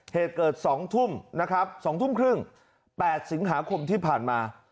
เหตุเกิด๒ทุ่มนะครับ๒ทุ่มครึ่ง๘สิงหาคมที่ผ่านมา